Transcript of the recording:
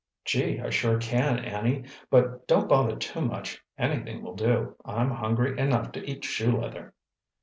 "Gee, I sure can, Annie. But don't bother too much. Anything will do. I'm hungry enough to eat shoe leather!"